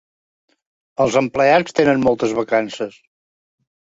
Els empleats tenen moltes vacances.